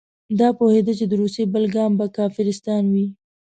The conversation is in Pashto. ده پوهېده چې د روسیې بل ګام به کافرستان وي.